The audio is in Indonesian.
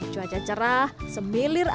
cuaca cerah semilir air